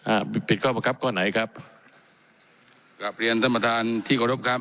อ่าปิดข้อบังคับข้อไหนครับกลับเรียนท่านประธานที่เคารพครับ